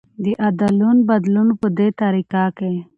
د ادلون بدلون په دې طريقه کې